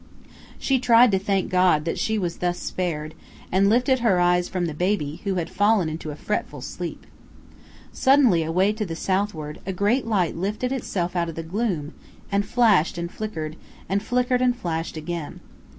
She tried to thank God that she was thus spared, and lifted her eyes from the baby, who had fallen into a fretful sleep. Suddenly, away to the southward, a great light lifted itself out of the gloom, and flashed and flickered, and flickered and flashed again.